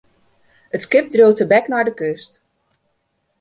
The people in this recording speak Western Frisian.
It skip dreau tebek nei de kust.